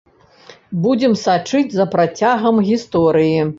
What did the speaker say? Будзем сачыць за працягам гісторыі.